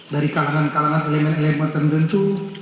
dari kalangan kalangan elemen elemen tertentu